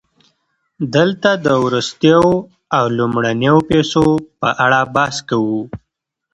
دلته د وروستیو او لومړنیو پیسو په اړه بحث کوو